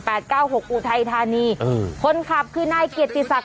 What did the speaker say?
แปดเก้าหกอูทัยธานีอืมคนขับคือนายเกจจิสัก